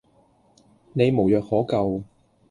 你無藥可救